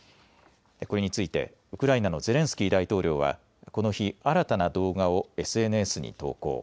これについてウクライナのゼレンスキー大統領はこの日、新たな動画をＳＮＳに投稿。